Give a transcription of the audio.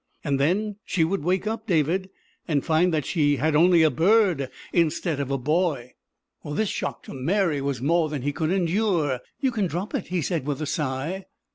"And then she would wake up, David, and find that she had only a bird instead of a boy." This shock to Mary was more than he could endure. "You can drop it," he said with a sigh.